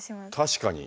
確かに。